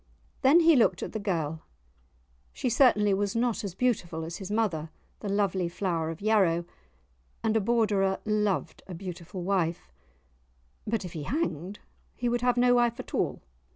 Then he looked at the girl; she certainly was not as beautiful as his mother, the lovely Flower of Yarrow; and a Borderer loved a beautiful wife. But if he hanged he would have no wife at all!